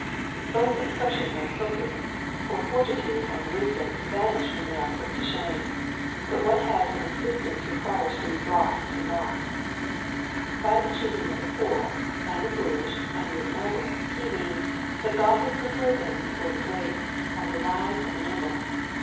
Both ex pressions are appropriate, for fortitude and wisdom vanish when they are put to shame, but what has an existence re quires to be brought to nought. By the choosing of the poor, and the foolish, and the ignoble, he means, that God has preferred them before the great, and the wise, and the noble.